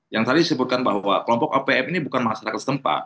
yang tadi disebutkan bahwa kelompok opm ini bukan masyarakat setempat